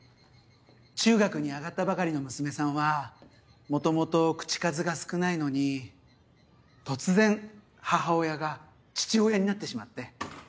中学に上がったばかりの娘さんはもともと口数が少ないのに突然母親が父親になってしまって。